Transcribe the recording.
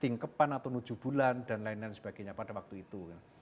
tingkepan atau nuju bulan dan lain lain sebagainya pada waktu itu